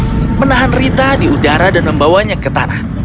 dia menahan rita di udara dan membawanya ke tanah